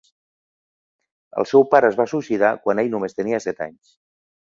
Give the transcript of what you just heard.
El seu pare es va suïcidar quan ell només tenia set anys.